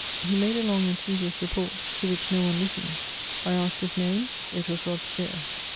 He made a long and tedious report, to which no one listened ; I asked his name ; it was Robespierre.